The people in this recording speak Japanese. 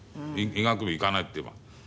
医学部いかないって言えば。